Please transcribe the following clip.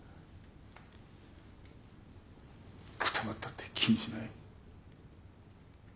くたばったって気にしない。